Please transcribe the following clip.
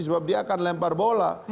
sebab dia akan lempar bola